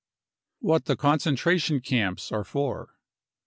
What the. concentration camps are for.